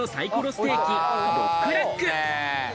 ステーキ、ロックラック。